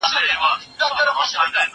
ونې ته اوبه ورکړه،